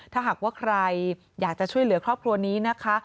ถ้าหากว่าใครอยากจะช่วยเหลือครอบครัวนี้นะคะ